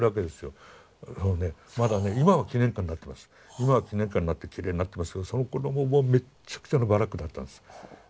今は記念館になってきれいになってますけどそのころはもうめっちゃくちゃなバラックだったんです。